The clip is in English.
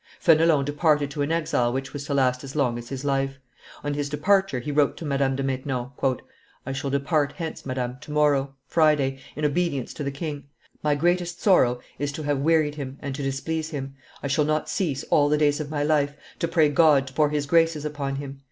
Fenelon departed to an exile which was to last as long as his life; on his departure, he wrote to Madame de Maintenon, "I shall depart hence, madame, to morrow, Friday, in obedience to the king. My greatest sorrow is to have wearied him and to displease him. I shall not cease, all the days of my life, to pray God to pour His graces upon him.